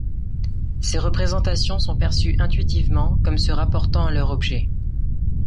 Ces représentations sont perçues intuitivement comme se rapportant à leur objet.